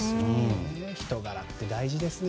人柄って大事ですね。